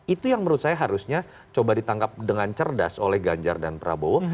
itu yang menurut saya harusnya coba ditangkap dengan cerdas oleh ganjar dan prabowo